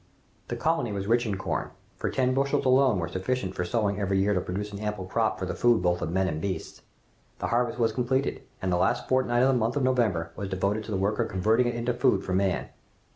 The colony was rich in corn, for ten bushels alone were sufficient for sowing every year to produce an ample crop for the food both of men and beasts. The harvest was completed, and the last fortnight of the month of November was devoted to the work of converting it into food for man.